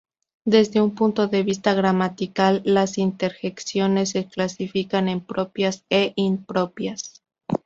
Desde un punto de vista gramatical las interjecciones se clasifican en propias e impropias.